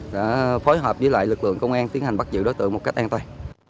đã phối hợp với lại lực lượng công an tiến hành bắt giữ đối tượng một cách an toàn